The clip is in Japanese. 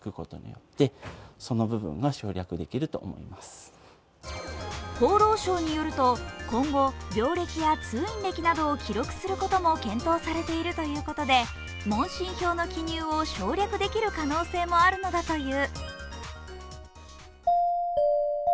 更に厚労省によると今後、病歴や通院歴などを記録することも検討されているということで、問診票の記入を省略できる可能性もあるのだという。